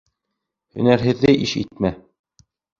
Һөнәрһеҙҙе иш итмә.